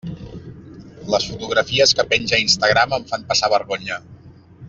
Les fotografies que penja a Instagram em fan passar vergonya.